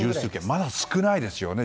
まだ少ないですよね。